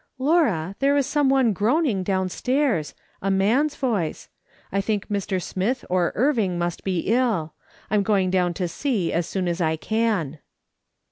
" Laura, there is someone groaning downstairs, a man's voice. I think Mr. Smith or Irving must be ill ; I'm going down to see, as soon as I can."